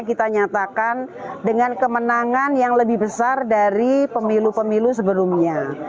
kita nyatakan dengan kemenangan yang lebih besar dari pemilu pemilu sebelumnya